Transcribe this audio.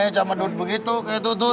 di jelahan calon minantu